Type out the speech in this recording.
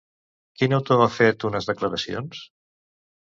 Quin autor ha fet unes declaracions?